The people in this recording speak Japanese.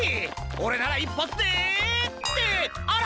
オレならいっぱつでってあら？